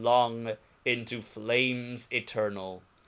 long into flames eternal).